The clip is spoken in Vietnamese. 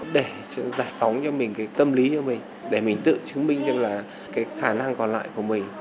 để giải phóng cho mình cái tâm lý cho mình để mình tự chứng minh rằng là cái khả năng còn lại của mình